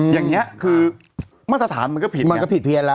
อย่างนี้คือมาตรฐานมันก็ผิดมันก็ผิดเพี้ยนแล้ว